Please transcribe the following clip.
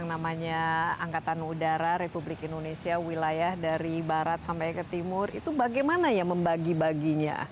yang namanya angkatan udara republik indonesia wilayah dari barat sampai ke timur itu bagaimana ya membagi baginya